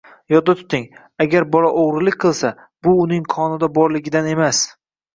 Yodda tuting, agar bola o‘g‘rilik qilsa, bu uning qonida borligidan emas